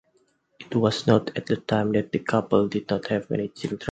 It was noted at the time that the couple did not have any children.